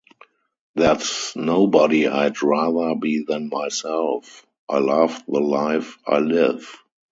There's nobody I'd rather be than myself. I love the life I live!